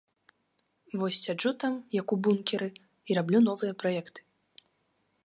Вось сяджу там, як у бункеры, і раблю новыя праекты.